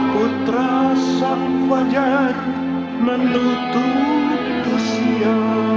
putra sampwajar menutup usia